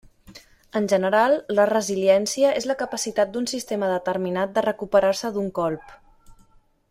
En general, la resiliència és la capacitat d'un sistema determinat de recuperar-se d'un colp.